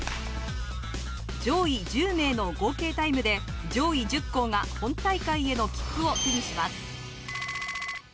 上位１０名の合計タイムで上位１０校が本大会への切符を手にします。